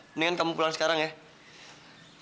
mendingan kamu pulang sekarang ya